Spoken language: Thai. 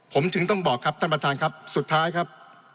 ผมถึงต้องบอกครับท่านประธานครับสุดท้ายครับ